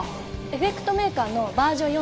エフェクト・メイカーのバージョン４．０